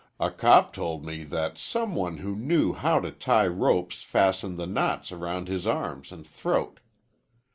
A cop told me that some one who knew how to tie ropes fastened the knots around his arms and throat.